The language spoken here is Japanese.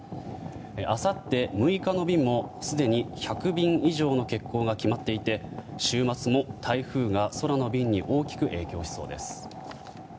あさって６日の便もすでに１００便以上の欠航が決まっていて週末も台風が空の便に大きく影響しそうです。